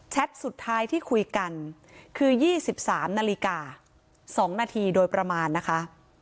แชทสุดท้ายที่คุยกันคือยี่สิบสามนาฬิกาสองนาทีโดยประมาณนะคะ